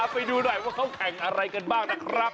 ไปดูหน่อยว่าเขาแข่งอะไรกันบ้างนะครับ